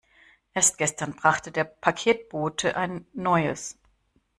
Erst gestern brachte der Paketbote ein neues.